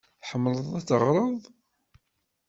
Tḥemmleḍ ad teɣreḍ?